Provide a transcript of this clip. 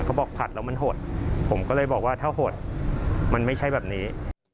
ผัดแล้วมันหดผมก็เลยบอกว่าถ้าหดมันไม่ใช่แบบนี้